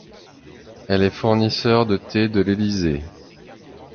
Elle est fournisseur de thé de l’Élysée.